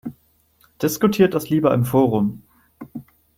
Diskutiert das lieber im Forum!